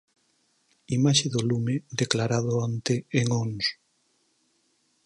Imaxe do lume declarado onte en Ons.